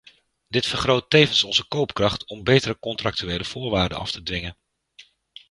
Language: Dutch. Dit vergroot tevens onze koopkracht om betere contractuele voorwaarden af te dwingen.